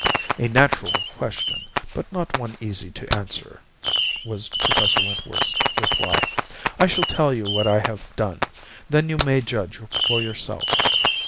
"A natural question, but not one easy to answer," was Professor Wentworth's reply. "I shall tell you what I have done; then you may judge for yourself."